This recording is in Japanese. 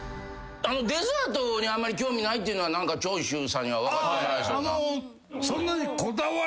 デザートにあんまり興味ないっていうのは長州さんには分かってもらえそうな。